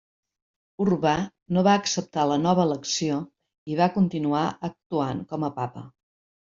Urbà no va acceptar la nova elecció i va continuar actuant com a papa.